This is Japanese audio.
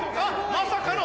まさかの。